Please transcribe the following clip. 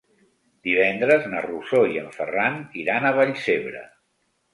Divendres na Rosó i en Ferran iran a Vallcebre.